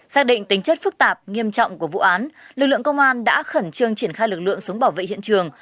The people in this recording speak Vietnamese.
xác định tính chất phức tạp nghiêm trọng của vụ án lực lượng công an đã khẩn trương triển khai lực lượng xuống bảo vệ hiện trường